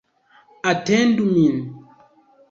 Atendu min!